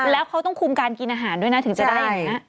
แล้วเขาต้องคุมการกินอาหารด้วยถึงจะได้